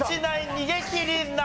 逃げ切りなるか？